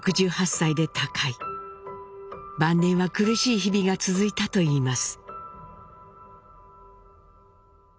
晩年は苦しい日々が続いたといいます。